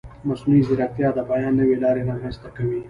مصنوعي ځیرکتیا د بیان نوې لارې رامنځته کوي.